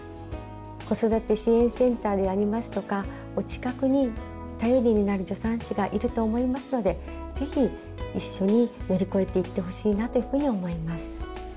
子育て支援センターでありますとかお近くに頼りになる助産師がいると思いますので是非一緒に乗り越えていってほしいなというふうに思います。